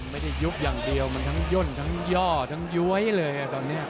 ยุบอย่างเดียวมันทั้งย่นทั้งย่อทั้งย้วยเลยตอนนี้